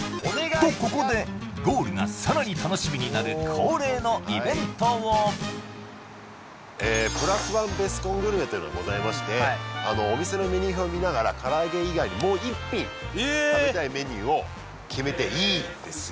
とここでゴールがさらに楽しみになる恒例のイベントをプラスワンベスコングルメというのがございましてお店のメニュー表を見ながらからあげ以外にもう一品えっ食べたいメニューを決めていいですよ